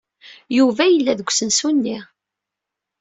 Yuba yella deg usensu-nni.